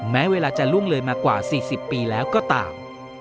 แม้เวลาจะล่วงเลยมากว่า๔๐ปีแล้วก็ตาม